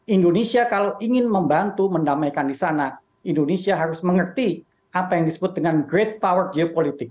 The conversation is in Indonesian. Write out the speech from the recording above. indonesia kalau ingin membantu mendamaikan di sana indonesia harus mengerti apa yang disebut dengan great power geopolitik